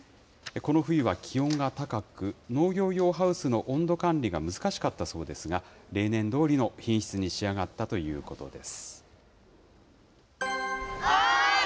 この冬は気温が高く、農業用ハウスの温度管理が難しかったそうですが、例年どおりの品質に仕上がったということです。